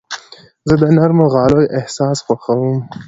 زه د نرمو غالیو احساس خوښوم.